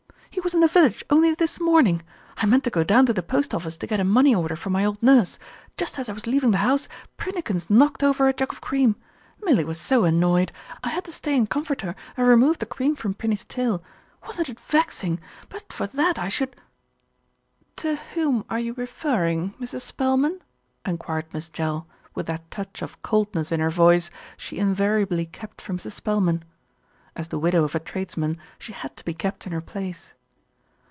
"He was in the village only this morning. I meant to go down to the post office to get a money order for my old nurse. Just as I was leaving the house, Prinnikins knocked over a jug of cream. Milly was so annoyed. I had to stay and comfort her and remove the cream from Prinny's tail. Wasn't it vex ing? But for that I should " "To whom are you referring, Mrs. Spelman?" en quired Miss Jell, with that touch of coldness in her voice she invariably kept for Mrs. Spelman. As the widow of a tradesman, she had to be kept in her place.